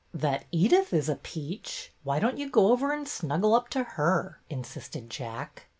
'' That Edyth is a peach. Why don't you go over and snuggle up to her?" insisted Jack.